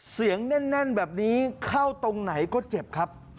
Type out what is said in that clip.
เสียงแน่นแน่นแบบนี้เข้าตรงไหนก็เจ็บครับ